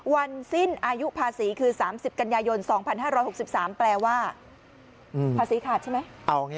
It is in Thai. วันสิ้นอายุภาษีคือ๓๐กันยายน๒๕๖๓แปลว่าภาษีขาดใช่ไหม